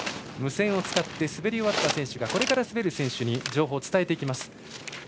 無線を使って滑り終わった選手がこれから滑る選手に情報を伝えていきます。